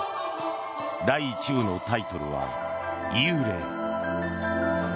第１部のタイトルは「幽霊」。